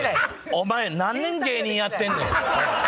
お前何年芸人やってんねん。